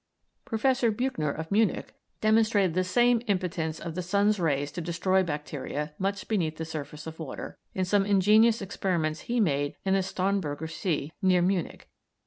Professor Buchner, of Munich, demonstrated the same impotence of the sun's rays to destroy bacteria much beneath the surface of water, in some ingenious experiments he made in the Starnberger See, near Munich.